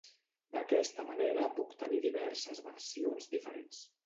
D'aquesta manera puc tenir diverses versions diferents.